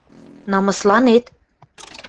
Намысланет?